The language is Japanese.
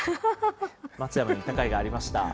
松山に行ったかいがありました。